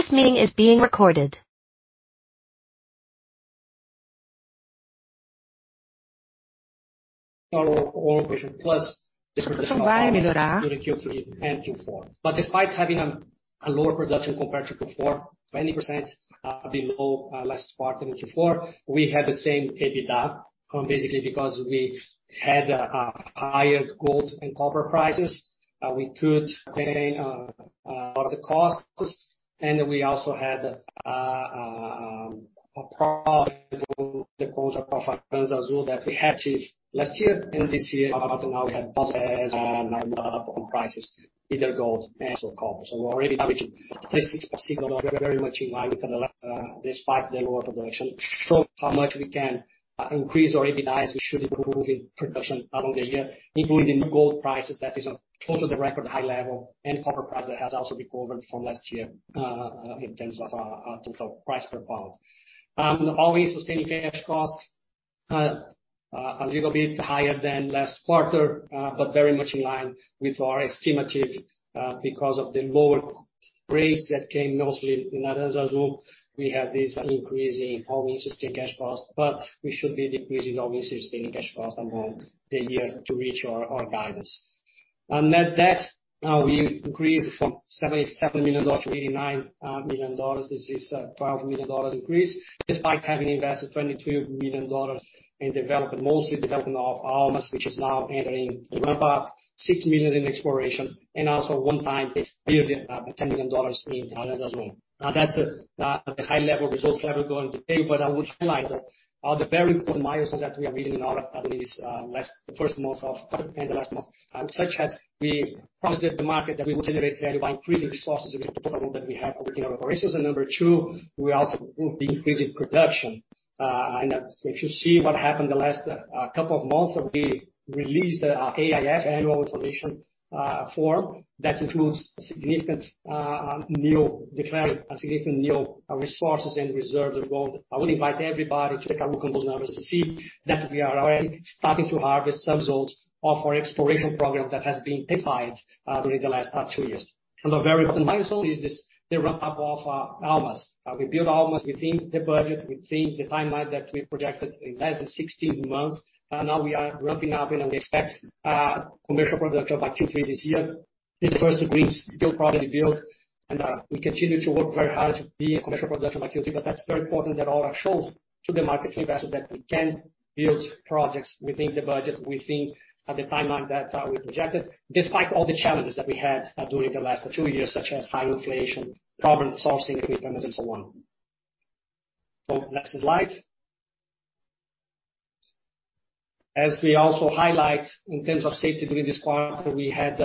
This meeting is being recorded. Our overall vision plus distribution- Should probably improve. During Q3 and Q4. Despite having a lower production compared to Q4, 20% below last quarter in Q4, we had the same EBITDA, basically because we had higher gold and copper prices. We could pay lot of the costs, and we also had a profit to the contract of Aranzazu that we had to last year and this year, but now we have inaudible on prices, either gold and so copper. We're already averaging 36%, so we're very much in line with the le- despite the lower production. Shows how much we can increase our EBITDA as we should be improving production along the year, including the gold prices that is on close to the record high level and copper price that has also recovered from last year in terms of our total price per pound. All-in sustaining cash costs a little bit higher than last quarter, but very much in line with our estimate because of the lower grades that came mostly in Aranzazu. We have this increase in all-in sustaining cash costs, but we should be decreasing all-in sustaining cash costs along the year to reach our guidance. Net debt we increased from $77 million-$89 million. This is a $12 million increase, despite having invested $22 million in development, mostly development of Almas, which is now entering the ramp-up. $6 million in exploration and also one-time is billion, $10 million in Aranzazu. That's the high-level results Kleber will go into today, but I would highlight that the very important milestones that we are meeting in our guidance, the first month of and the last month, such as we promised the market that we would generate value by increasing resources of the portfolio that we have within our operations. Number 2, we also will be increasing production. If you see what happened the last couple of months, we released AIF, Annual Information Form, that includes significant declaring a significant new resources and reserves involved. I would invite everybody to take a look on those numbers to see that we are already starting to harvest some results of our exploration program that has been intensified during the last two years. The very important milestone is this, the ramp-up of Almas. We built Almas within the budget, within the timeline that we projected in less than 16 months. Now we are ramping up and we expect commercial production by Q3 this year. This first phase we build, probably build and we continue to work very hard to be a commercial production by Q3. That's very important that Aura shows to the market and investors that we can build projects within the budget, within the timeline that we projected, despite all the challenges that we had during the last two years, such as high inflation, carbon sourcing equipment and so on. Next slide. As we also highlight in terms of safety during this quarter, we had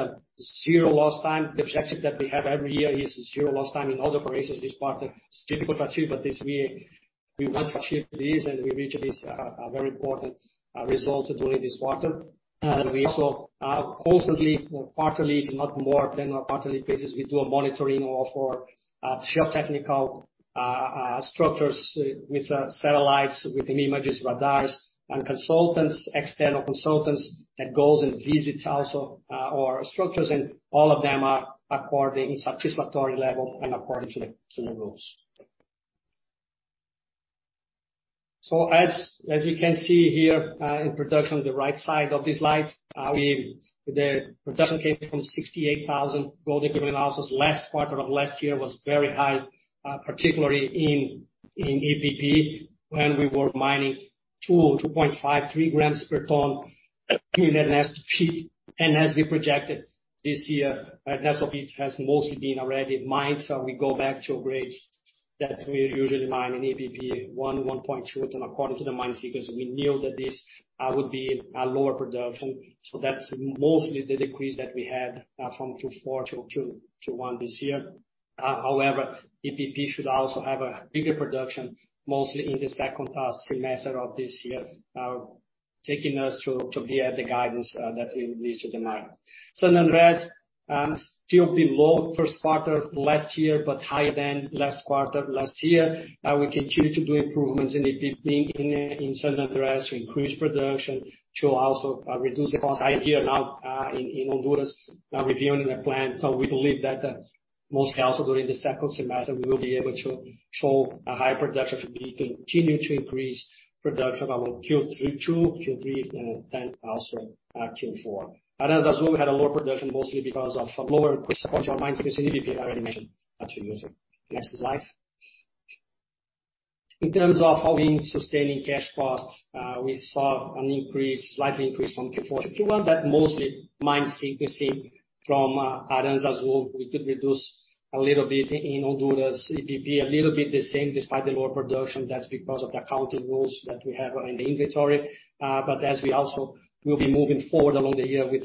0 lost time. The objective that we have every year is 0 lost time in all operations. This quarter it's difficult to achieve, but this year we want to achieve this and we reached this very important result during this quarter. We also constantly, quarterly, if not more than a quarterly basis, we do a monitoring of our geotechnical structures with satellites, with images, radars and consultants, external consultants that goes and visits also our structures and all of them are in satisfactory level and according to the rules. As you can see here, in production on the right side of this slide, the production came from 68,000 gold equivalent ounces. Last quarter of last year was very high, particularly in EPP, when we were mining 2.5, 3 grams per ton in that has to treat. As we projected this year, that has mostly been already mined, so we go back to grades that we usually mine in EPP, 1.2 ton according to the mining sequence. We knew that this would be a lower production. That's mostly the decrease that we had from Q4 to Q1 this year. However, EPP should also have a bigger production mostly in the second semester of this year, taking us to be at the guidance that we released to the market. San Andrés, still below first quarter last year, but higher than last quarter last year. We continue to do improvements in the EPP in San Andrés to increase production to also reduce the cost. I hear now in Honduras reviewing the plan. We believe that mostly also during the second semester, we will be able to show a higher production should we continue to increase production among Q3-two, Q3, then also Q4. Aranzazu had a lower production mostly because of lower ore mined specifically I already mentioned actually. Next slide. In terms of all-in sustaining cash costs, we saw an increase, slight increase from Q4 to Q1, mostly mine sequencing from Aranzazu. We could reduce a little bit in Honduras EPP, a little bit the same despite the lower production. That's because of the accounting rules that we have in the inventory. As we also will be moving forward along the year with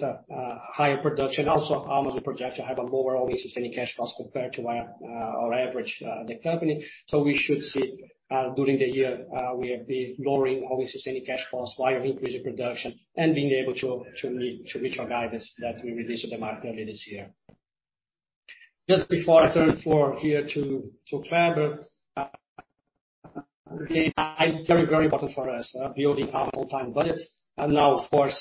higher production, also Almas is projected to have a lower all-in sustaining cash costs compared to our average the company. We should see during the year, we have been lowering all-in sustaining cash costs while increasing production and being able to meet, to reach our guidance that we released to the market earlier this year. Just before I turn floor here to Kleber, but, yeah, it's very, very important for us, building up on time and budget. Now of course,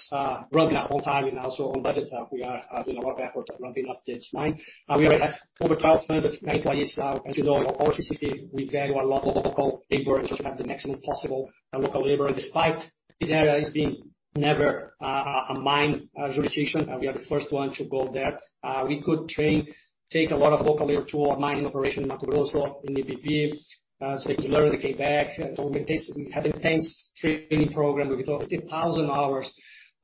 running on time and also on budget, we are doing a lot of effort to ramping up this mine. We already have over 1,200 employees now. As you know, in our CCP, we value a lot of local labor to have the maximum possible local labor. Despite this area is being never a mine jurisdiction, and we are the first one to go there. We could take a lot of local labor to our mining operation in Matosinhos-Leixões, in the PP, so they can learn, they came back. With this, we have intense training program with over 30,000 hours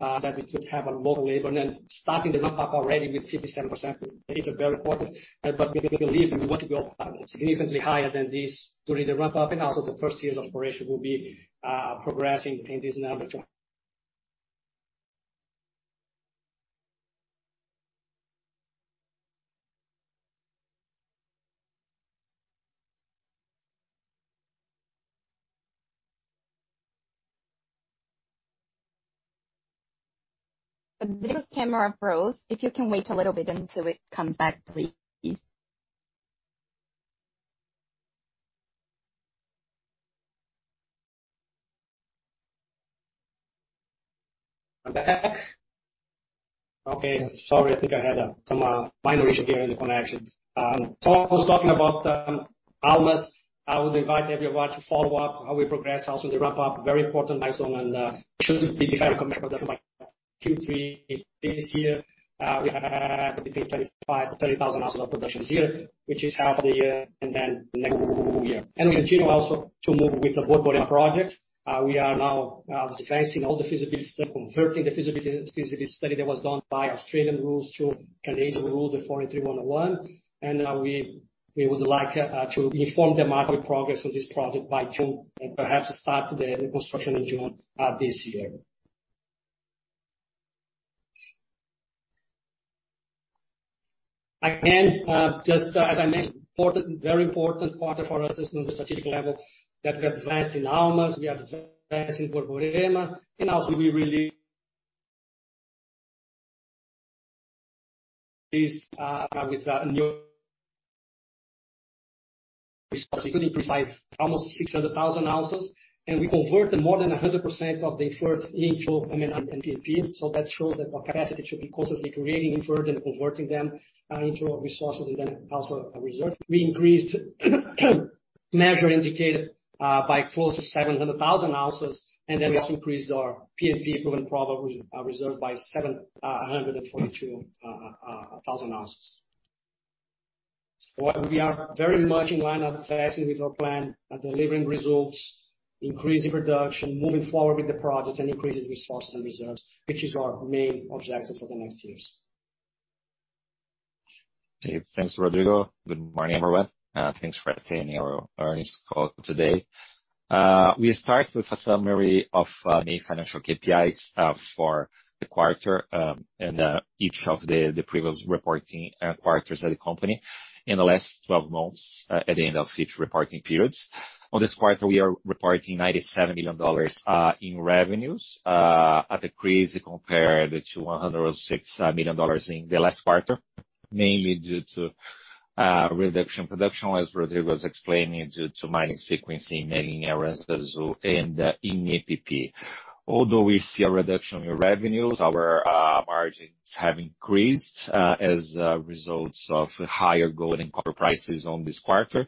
that we could have on local labor. Starting the ramp-up already with 57% is a very important. We believe we want to go significantly higher than this during the ramp-up and also the first years of operation will be progressing in this number. The video camera froze. If you can wait a little bit until it comes back, please. I'm back. Okay, sorry. I think I had some minor issue here in the connection. I was talking about Almas. I would invite everyone to follow up how we progress, also the ramp-up, very important milestone, and should be very commercial by Q3 this year. We have between 25,000-30,000 ounces of productions a year, which is half of the year and then next year. We continue also to move with the Borborema project. We are now advancing all the feasibility, converting the feasibility study that was done by Australian rules to Canadian rules, the NI 43-101. We would like to inform the market progress on this project by June and perhaps start the construction in June this year. Again, just as I mentioned, important, very important part for us is on the strategic level that we are advancing Almas, we are advancing Borborema. This with a new response, including precise almost 600,000 ounces. We converted more than 100% of the inferred into, I mean, in NPP. That shows that our capacity should be constantly creating inferred and converting them into resources and then also a reserve. We increased measured and indicated by close to 700,000 ounces, and then this increased our P&P Proven and Probable reserve by 742,000 ounces. We are very much in line, advancing with our plan, delivering results, increasing production, moving forward with the projects and increasing resource and reserves, which is our main objective for the next years. Okay, thanks, Rodrigo. Good morning, everyone, thanks for attending our earnings call today. We start with a summary of the financial KPIs for the quarter, and each of the previous reporting quarters of the company in the last 12 months, at the end of each reporting periods. On this quarter, we are reporting $97 million in revenues, a decrease compared to $106 million in the last quarter, mainly due to reduction production, as Rodrigo was explaining, due to mining sequencing, mining areas, Aranzazu and in EPP. Although we see a reduction in revenues, our margins have increased as a result of higher gold and copper prices on this quarter.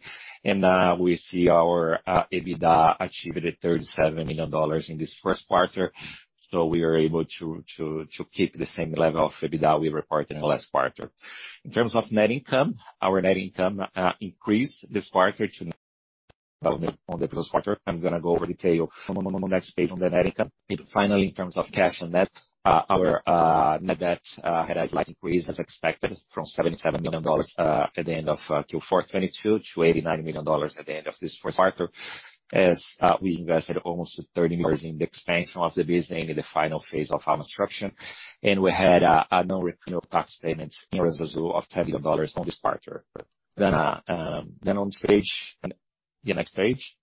We see our EBITDA achieved at $37 million in this 1st quarter. We are able to keep the same level of EBITDA we reported in the last quarter. In terms of net income, our net income increased this quarter to on the previous quarter. I'm gonna go over detail on the next page on the net income. Finally, in terms of cash and debt, our net debt had a slight increase as expected from $77 million at the end of Q4 2022 to $89 million at the end of this first quarter. As we invested almost $30 million in the expansion of the business in the final phase of our construction. We had no repayment of tax payments in Aranzazu of $10 million on this quarter. On this page. Yeah, next page.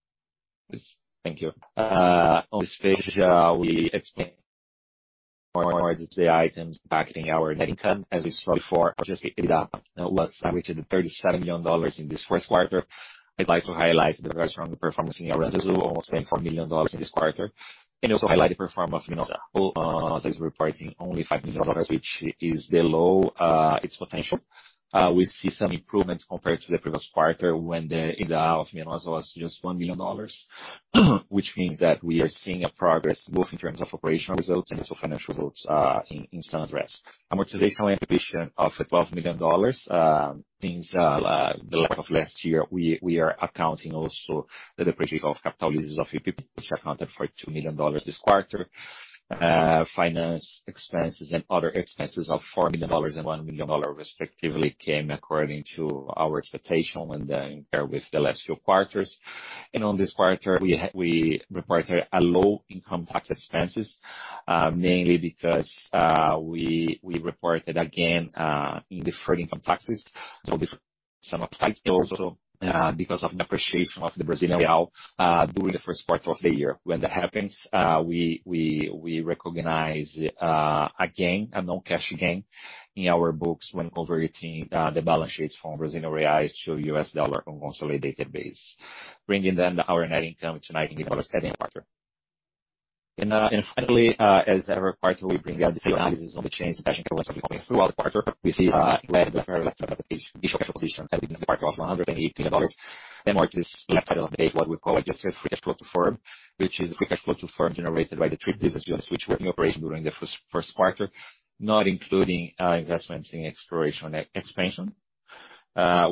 Yes. Thank you. On this page, we explain more the items impacting our net income. As we saw before, just EBITDA was reached at $37 million in this first quarter. I'd like to highlight the very strong performance in Aranzazu, almost $24 million in this quarter. Also highlight the performance of Minosa, as we're reporting only $5 million, which is below its potential. We see some improvement compared to the previous quarter when the EBITDA of Minosa was just $1 million, which means that we are seeing a progress both in terms of operational results and also financial results, in San Andrés. Amortization and depreciation of $12 million means the lack of last year, we are accounting also the depreciation of capital leases of EPP, which accounted for $2 million this quarter. Finance expenses and other expenses of $4 million and $1 million respectively came according to our expectation when compared with the last few quarters. On this quarter we reported a low income tax expenses, mainly because we reported again in deferred income taxes. Some upside and also because of the appreciation of the Brazilian real during the first part of the year. When that happens, we recognize again a non-cash gain in our books when converting the balance sheets from Brazilian reais to US dollar on consolidated base, bringing then our net income to $90 million net income. Finally, as every quarter we bring the analysis on the change in cash and equivalents of the company throughout the quarter. We see on the very left side of the page, the initial cash position at the beginning of the quarter was $108 million. More to this left side of the page, what we call adjusted free cash flow to firm, which is the free cash flow to firm generated by the three business units which were in operation during the first quarter, not including investments in exploration and expansion.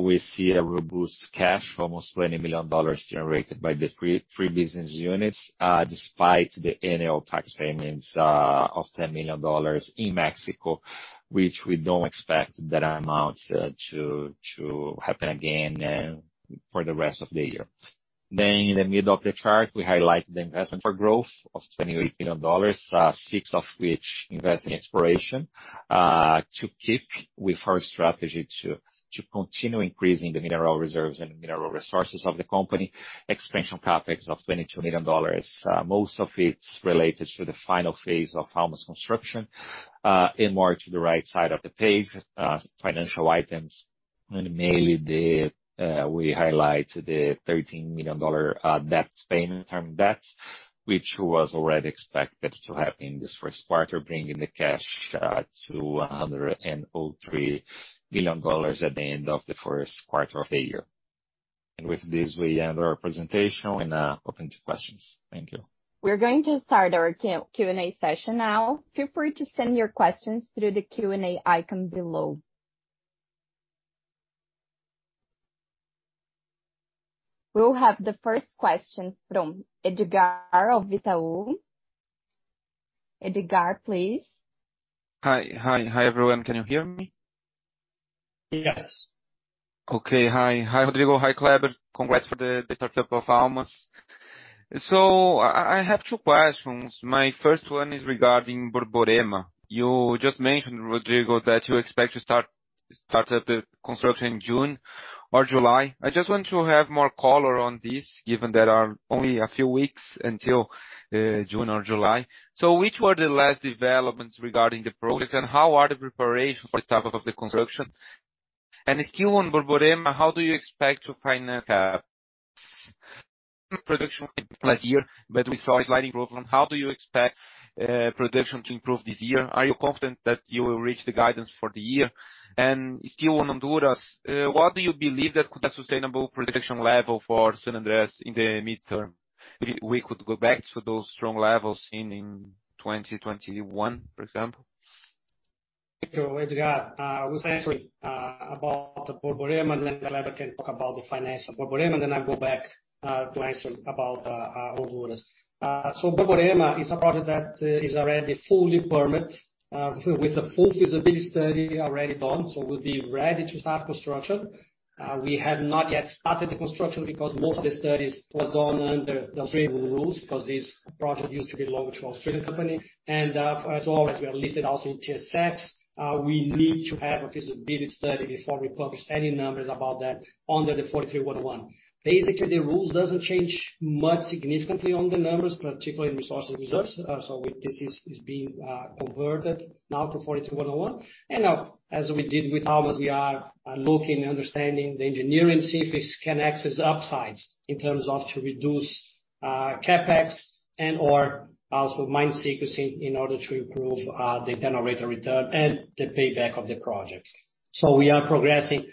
We see a robust cash, almost $20 million generated by the three business units, despite the annual tax payments of $10 million in Mexico, which we don't expect that amount to happen again for the rest of the year. In the middle of the chart, we highlight the investment for growth of $28 million, six of which invest in exploration, to keep with our strategy to continue increasing the mineral reserves and mineral resources of the company. Expansion CapEx of $22 million, most of it's related to the final phase of Almas construction. More to the right side of the page, financial items, and mainly the, we highlight the $13 million debt payment term debt, which was already expected to happen in this 1st quarter, bringing the cash to $103 million at the end of the 1st quarter of the year. With this, we end our presentation and open to questions. Thank you. We're going to start our Q&A session now. Feel free to send your questions through the Q&A icon below. We'll have the first question from Edgar of Itaú. Edgar, please. Hi. Hi. Hi, everyone. Can you hear me? Yes. Hi. Hi, Rodrigo. Hi, Kleber. Congrats for the startup of Almas. I have two questions. My first one is regarding Borborema. You just mentioned, Rodrigo, that you expect to start up the construction in June or July. I just want to have more color on this given there are only a few weeks until June or July. Which were the last developments regarding the project, and how are the preparations for the startup of the construction? Still on Borborema, how do you expect to finance production last year? We saw a slight improvement. How do you expect production to improve this year? Are you confident that you will reach the guidance for the year? Still on Honduras, what do you believe that could be a sustainable production level for San Andrés in the midterm? We could go back to those strong levels seen in 2021, for example. Thank you, Edgar. We'll answer about Borborema, Kleber can talk about the finance of Borborema, I'll go back to answer about Honduras. Borborema is a project that is already fully permit with a full feasibility study already done. We'll be ready to start construction. We have not yet started the construction because most of the studies was done under the Australian rules, because this project used to belong to Australian company. As always, we are listed also in TSX. We need to have a feasibility study before we publish any numbers about that under the 43-101. Basically, the rules doesn't change much significantly on the numbers, particularly in resources and reserves. This is being converted now to 43-101. Now, as we did with Almas, we are looking and understanding the engineering, see if we can access upsides in terms of to reduce CapEx and/or also mine sequencing in order to improve the internal rate of return and the payback of the project. We are progressing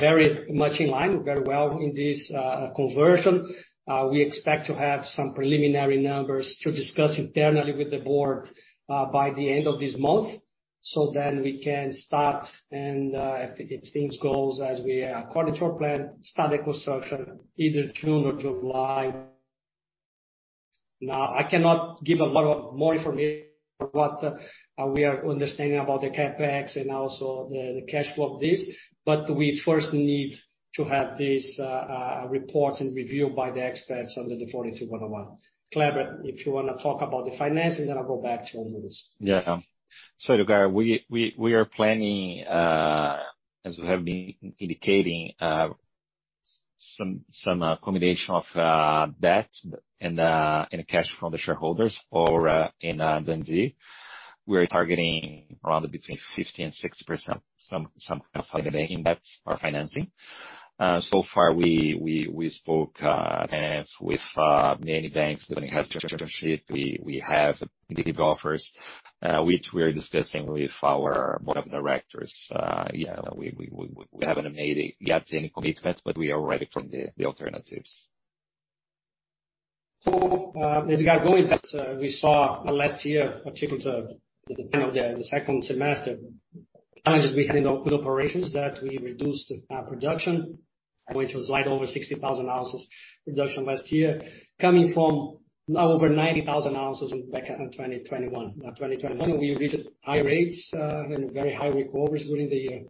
very much in line, very well in this conversion. We expect to have some preliminary numbers to discuss internally with the board by the end of this month. We can start and if it seems goes as we are according to our plan, start the construction either June or July. I cannot give a lot of more information what we are understanding about the CapEx and also the cash flow of this, but we first need to have these reports and reviewed by the experts under the 43-101. Kleber, if you wanna talk about the finances, then I'll go back to Honduras. Edgar, we are planning, as we have been indicating, some combination of debt and cash from the shareholders for in Dundee. We're targeting around between 50% and 60%, some kind of funding in debts or financing. So far we spoke with many banks that have dealership. We have the offers which we are discussing with our board of directors. Yeah, we haven't made yet any commitments, but we are ready for the alternatives. So, uh- As you got going, as we saw last year, particularly the second semester, challenges we had in operations that we reduced production, which was right over 60,000 ounces reduction last year, coming from over 90,000 ounces back in 2021. 2021 we reached high rates and very high recoveries during the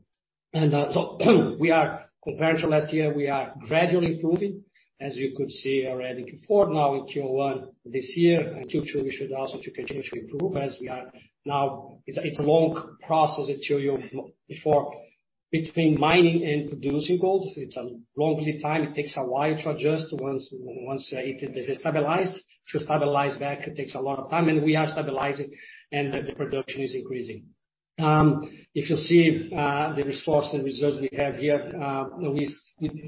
year. We are compared to last year, we are gradually improving, as you could see already Q4. In Q1 this year and Q2, we should also continue to improve as we are now It's a long process between mining and producing gold. It's a long lead time. It takes a while to adjust once it is stabilized. To stabilize back, it takes a lot of time, and we are stabilizing and the production is increasing. If you see the resources and results we have here, we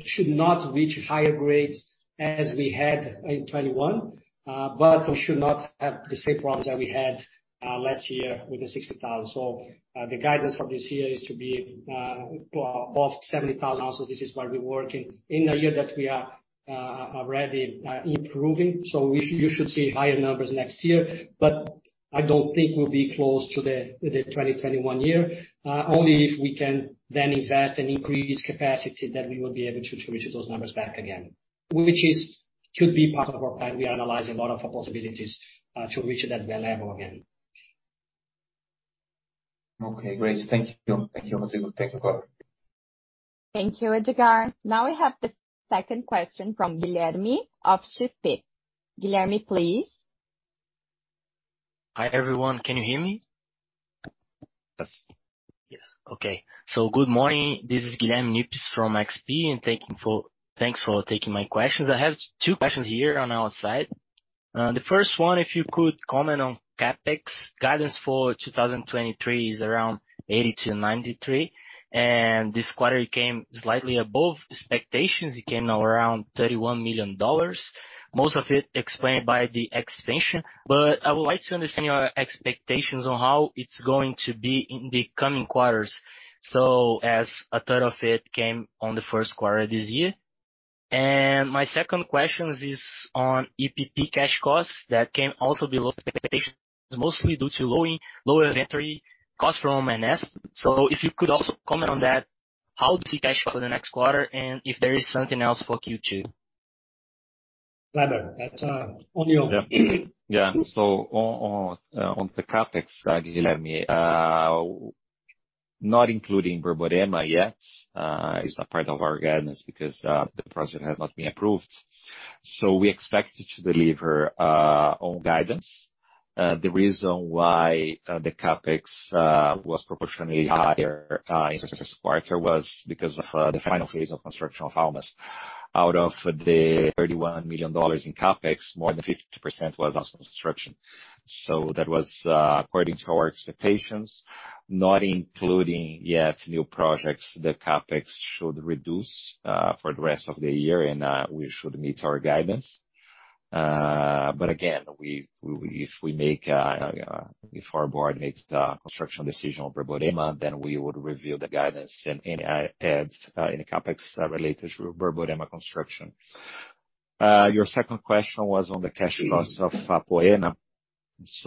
should not reach higher grades as we had in 2021, but we should not have the same problems that we had last year with the 60,000. The guidance for this year is to be well, above 70,000 ounces. This is why we're working in the year that we are already improving. You should see higher numbers next year. I don't think we'll be close to the 2021 year. Only if we can then invest and increase capacity, that we will be able to reach those numbers back again, which is could be part of our plan. We are analyzing a lot of possibilities to reach that level again. Okay, great. Thank you. Thank you, Rodrigo. Take care. Thank you, Edgar. We have the second question from Guilherme of XP. Guilherme, please. Hi, everyone. Can you hear me? Yes. Yes. Okay. Good morning. This is Guilherme Nippes from XP, thanks for taking my questions. I have two questions here on our side. The first one, if you could comment on CapEx. Guidance for 2023 is around $80 million-$93 million, and this quarter it came slightly above expectations. It came around $31 million, most of it explained by the expansion. I would like to understand your expectations on how it's going to be in the coming quarters, as a third of it came on the first quarter this year. My second questions is on EPP cash costs that came also below expectations, mostly due to low inventory costs from Ernesto. If you could also comment on that, how to see cash for the next quarter and if there is something else for Q2., that's on you. Yeah. Yeah. On, on the CapEx side, Guilherme, not including Borborema yet, is a part of our guidance because the project has not been approved. We expect it to deliver on guidance. The reason why the CapEx was proportionally higher in the first quarter was because of the final phase of construction of Almas. Out of the $31 million in CapEx, more than 50% was also construction. That was according to our expectations. Not including yet new projects, the CapEx should reduce for the rest of the year and we should meet our guidance. Again, if we make, if our board makes the construction decision on Borborema then we would review the guidance and any adds in the CapEx related to Borborema construction. Your second question was on the cash costs of Apoena.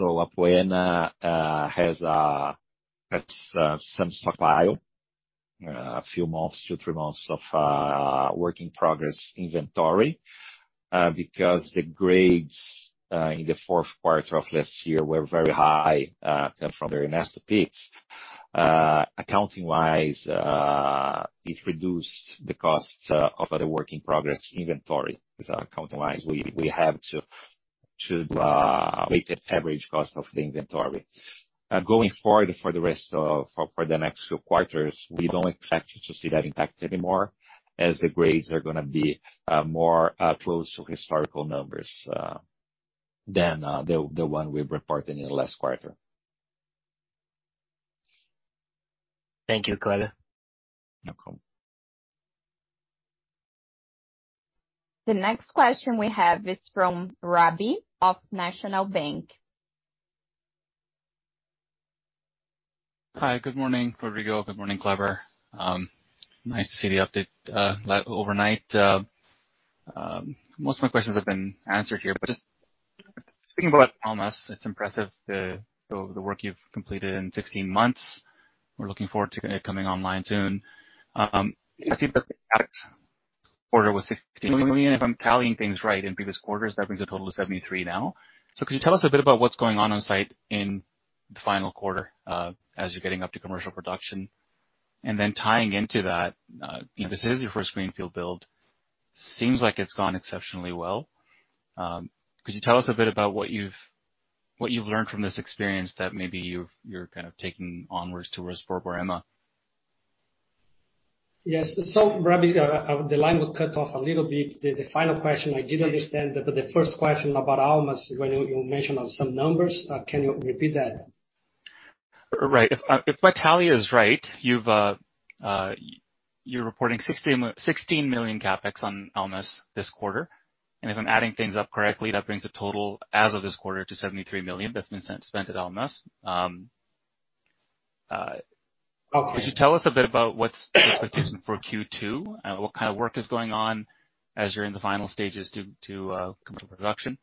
Apoena has some stockpile, a few months, two, three months of work in progress inventory. Because the grades in the 4th quarter of last year were very high from the Ernesto peaks. Accounting-wise, it reduced the cost of the work in progress inventory, because accounting-wise, we have to weigh the average cost of the inventory. Going forward, for the next few quarters, we don't expect to see that impact anymore as the grades are gonna be more close to historical numbers than the one we reported in the last quarter. Thank you, Kleber. No problem. The next question we have is from Robbie of National Bank. Hi, good morning, Rodrigo. Good morning, Kleber. Nice to see the update overnight. Most of my questions have been answered here. Just speaking about Almas, it's impressive the work you've completed in 16 months. We're looking forward to it coming online soon. I see that the CapEx for it was $16 million, if I'm tallying things right, in previous quarters. That brings a total of $73 now. Can you tell us a bit about what's going on on site in the final quarter, as you're getting up to commercial production? Tying into that, you know, this is your first greenfield build. Seems like it's gone exceptionally well. Could you tell us a bit about what you've, what you've learned from this experience that maybe you're kind of taking onwards towards Borborema? Yes. Robbie, the line was cut off a little bit. The final question I didn't understand, but the first question about Almas when you mentioned on some numbers. Can you repeat that? Right. If, if my tally is right, you've, you're reporting $16 million CapEx on Almas this quarter. If I'm adding things up correctly, that brings a total as of this quarter to $73 million that's been spent at Almas. Okay. Could you tell us a bit about what's the expectation for Q2? What kind of work is going on as you're in the final stages to come to production?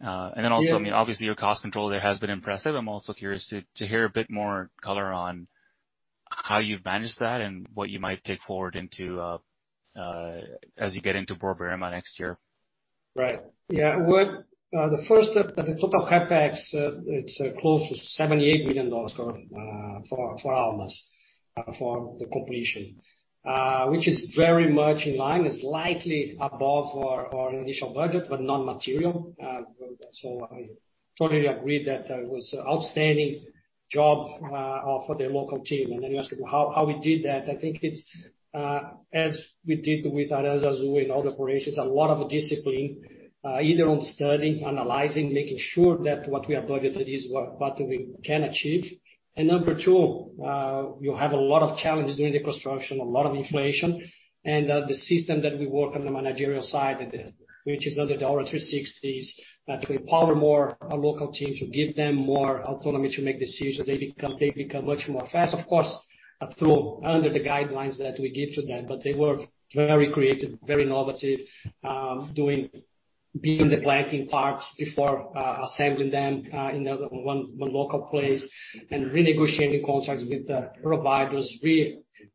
I mean, obviously your cost control there has been impressive. I'm also curious to hear a bit more color on how you've managed that and what you might take forward into as you get into Borborema next year. Right. Yeah. The first, the total CapEx, it's close to $78 million for Almas, for the completion, which is very much in line. It's slightly above our initial budget, but not material. I totally agree that was outstanding job of for the local team. You ask how we did that. I think it's as we did with Aranzazu and other operations, a lot of discipline, either on studying, analyzing, making sure that what we are targeted is what we can achieve. Number two, you have a lot of challenges during the construction, a lot of inflation. The system that we work on the managerial side, which is under the 360°, that we empower more our local team to give them more autonomy to make decisions. They become much more fast, of course, through under the guidelines that we give to them. They were very creative, very innovative, building the planting parts before assembling them in one local place and renegotiating contracts with the providers.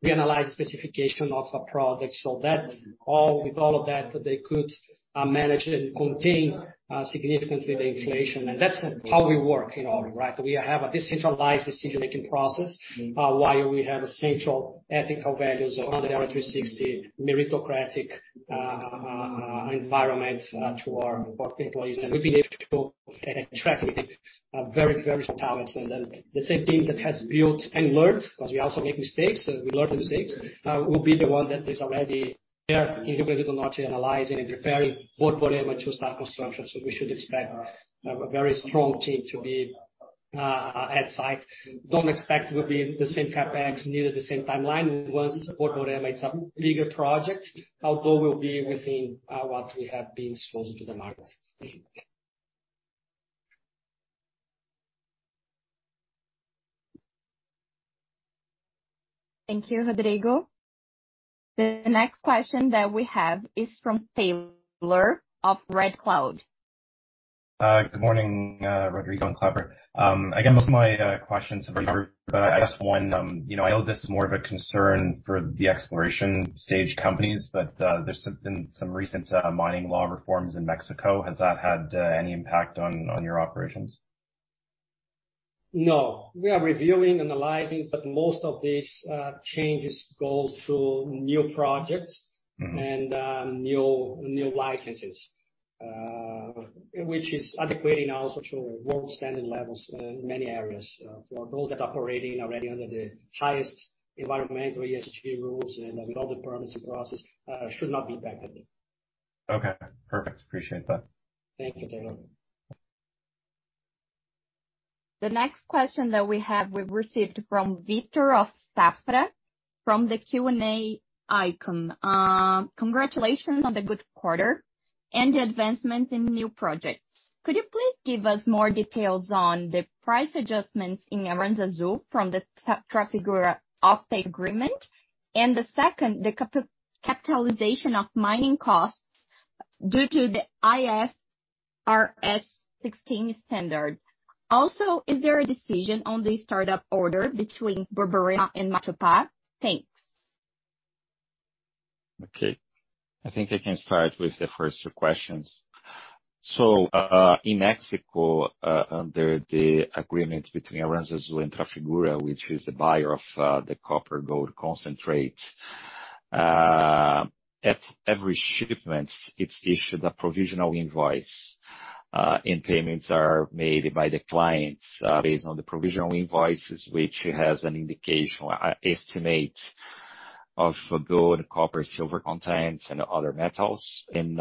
Reanalyze specification of a product so that with all of that, they could manage and contain significantly the inflation. That's how we work in Aura, right? We have a decentralized decision-making process while we have central ethical values around the 360° meritocratic environment to our employees. We've been able to attract with it very talents. The same team that has built and learned, because we also make mistakes, we learn mistakes, will be the one that is already there analyzing and preparing both volume and two-star construction. We should expect a very strong team to be at site. Don't expect will be the same CapEx needed the same timeline. One support volume, it's a bigger project, although will be within what we have been exposing to the market. Thank you, Rodrigo. The next question that we have is from Taylor of Red Cloud. Good morning, Rodrigo and Kleber. Again, most of my questions have been grouped, but I just one, you know, I know this is more of a concern for the exploration stage companies, but there's been some recent mining law reforms in Mexico. Has that had any impact on your operations? No. We are reviewing, analyzing. Most of these, changes goes through new projects. Mm-hmm. New licenses, which is adequately now social world standard levels in many areas. For those that are operating already under the highest environmental ESG rules and with all the privacy process, should not be impacted. Okay, perfect. Appreciate that. Thank you, Taylor. The next question that we have, we've received from Victor of Safra from the Q&A icon. Congratulations on the good quarter and the advancements in new projects. Could you please give us more details on the price adjustments in Aranzazu from the Trafigura offtake agreement? The second, the capitalization of mining costs due to the IFRS 16 standard. Is there a decision on the startup order between Borborema and Matupá? Thanks. Okay. I think I can start with the first two questions. In Mexico, under the agreement between Aranzazu and Trafigura, which is the buyer of the copper gold concentrate, at every shipment it's issued a provisional invoice, and payments are made by the clients, based on the provisional invoices which has an indication, estimate of gold, copper, silver contents and other metals, and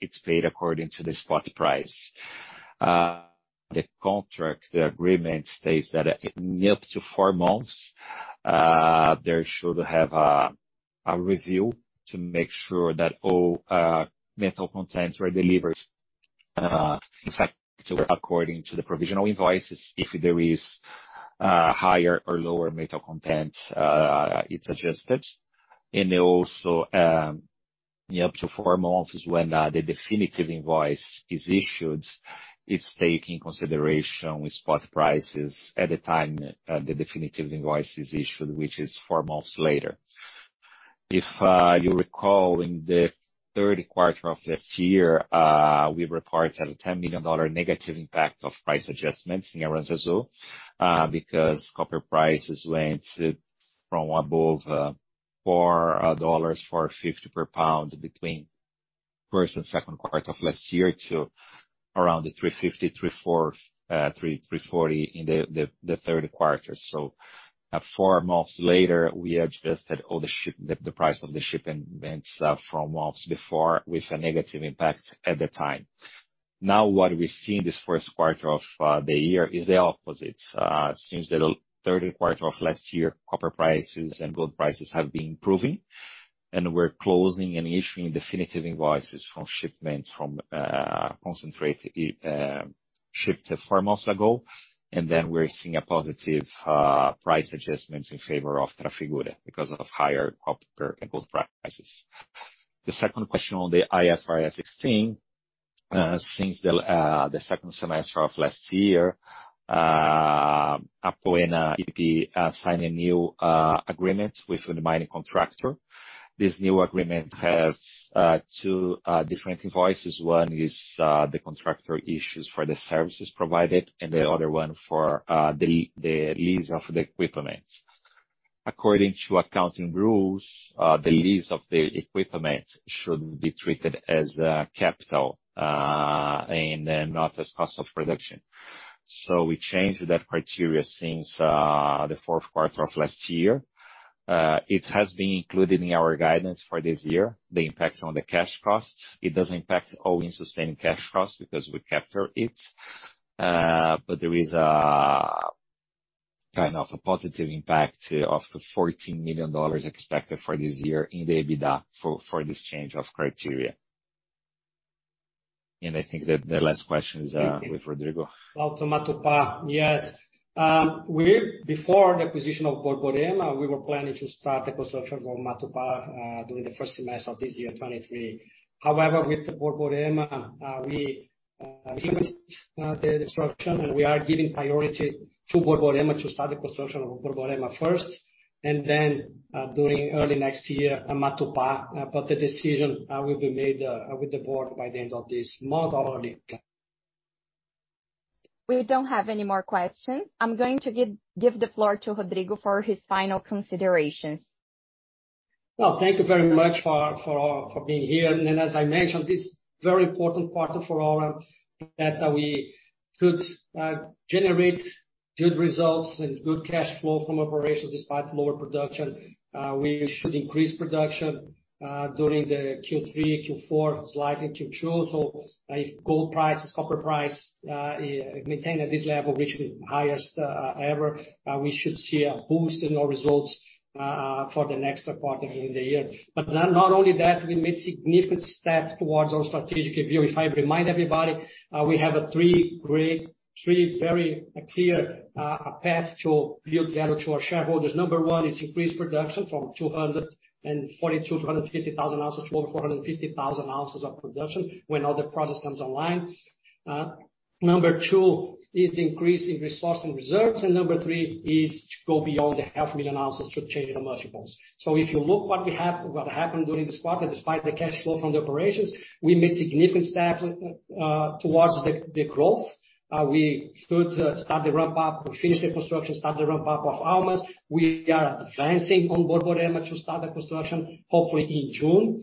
it's paid according to the spot price. The contract, the agreement states that up to four months, they should have a review to make sure that all metal contents were delivered, in fact according to the provisional invoices. If there is higher or lower metal content, it's adjusted. Also, up to four months is when the definitive invoice is issued. It's taking consideration with spot prices at the time the definitive invoice is issued, which is four months later. If you recall, in the third quarter of this year, we reported a $10 million negative impact of price adjustments in Aranzazu, because copper prices went from above $4, $4.50 per pound between first and second quarter of last year to around the $3.50, $3.40 in the third quarter. Four months later, we adjusted all the price of the shipments from months before with a negative impact at the time. What we see in this first quarter of the year is the opposite. Since the third quarter of last year, copper prices and gold prices have been improving and we're closing and issuing definitive invoices from shipments from concentrate shipped four months ago. We're seeing a positive price adjustments in favor of Trafigura because of higher copper and gold prices. The second question on the IFRS 16. Since the second semester of last year, Apoena EPP signed a new agreement with the mining contractor. This new agreement has two different invoices. One is the contractor issues for the services provided, and the other one for the lease of the equipment. According to accounting rules, the lease of the equipment should be treated as capital and not as cost of production. We changed that criteria since the fourth quarter of last year. It has been included in our guidance for this year, the impact on the cash costs. It doesn't impact all-in sustaining cash costs because we capture it. But there is kind of a positive impact of the $14 million expected for this year in the EBITDA for this change of criteria. I think that the last question is with Rodrigo. About Matupá. Yes. Before the acquisition of Borborema, we were planning to start the construction of Matupá during the first semester of this year, 2023. With the Borborema, we limited the destruction, and we are giving priority to Borborema to start the construction of Borborema first, and then during early next year Matupá. The decision will be made with the board by the end of this month or in June. We don't have any more questions. I'm going to give the floor to Rodrigo for his final considerations. Well, thank you very much for being here. As I mentioned, this very important quarter for all of that, we could generate good results and good cash flow from operations despite lower production. We should increase production during the Q3, Q4 slide in Q2. If gold prices, copper price, maintain at this level, which is highest ever, we should see a boost in our results for the next quarter in the year. Not only that, we made significant step towards our strategic review. I remind everybody, we have a three very clear path to build value to our shareholders. Number one is increase production from 240,000-250,000 ounces to 450,000 ounces of production when all the products comes online. Number two is the increase in resource and reserves. Number three is to go beyond the half million ounces to change the multiples. If you look what happened during this quarter, despite the cash flow from the operations, we made significant steps towards the growth. We could start the ramp up, finish the construction, start the ramp up of Almas. We are advancing on Borborema to start the construction, hopefully in June.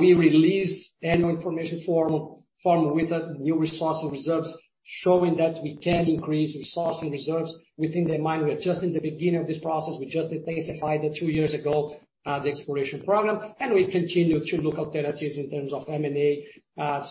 We release Annual Information Form with the new resource and reserves, showing that we can increase resource and reserves within the mine. We are just in the beginning of this process. We just intensified it two years ago, the exploration program. We continue to look alternatives in terms of M&A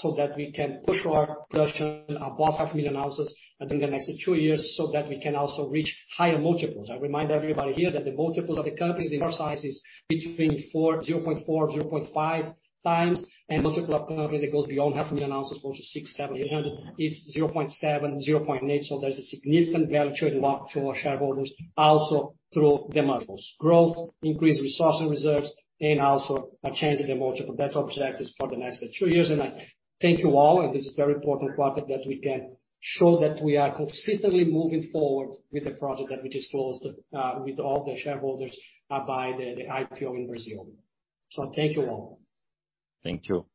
so that we can push our production above half million ounces within the next two years, so that we can also reach higher multiples. I remind everybody here that the multiples of the companies in our size is between four, 0.4, 0.5 times, and multiple of companies that goes beyond half a million ounces goes to six, seven, eight hundred is 0.7, 0.8. There's a significant value to unlock for shareholders also through the multiples. Growth, increased resource and reserves, and also a change in the multiple. That's objectives for the next two years. I thank you all, and this is a very important quarter that we can show that we are consistently moving forward with the project that we disclosed with all the shareholders by the IPO in Brazil. Thank you all. Thank you.